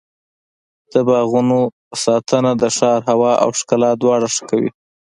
د باغونو ساتنه د ښار هوا او ښکلا دواړه ښه کوي.